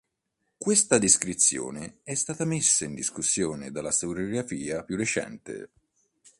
Questa descrizione è stata messa in discussione dalla storiografia più recente.